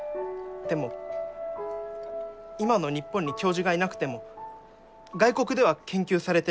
でも今の日本に教授がいなくても外国では研究されてるかも。